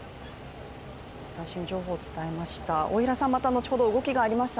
最新情報を伝えました。